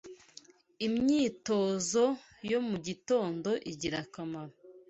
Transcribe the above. Imyitozo yo mu gitondo igira akamaro